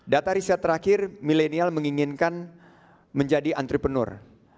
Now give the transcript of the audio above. data riset terakhir milenial menginginkan menjadi entrepreneur